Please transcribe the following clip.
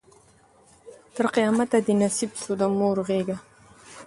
تر قیامته دي نصیب سوه د مور غیږه